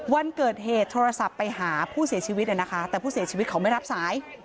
วันเกิดเหตุโทรศัพท์ไปหาผู้เสียชีวิตนะคะแต่ผู้เสียชีวิตเขาไม่รับสาย